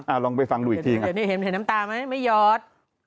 อ่าลองไปฟังดูอีกทีนี่เห็นน้ำตาไหมไม่หยอด